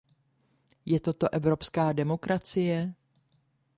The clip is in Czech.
Je toto evropská demokracie?